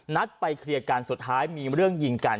นัดไปเคลียร์กันสุดท้ายมีเรื่องยิงกัน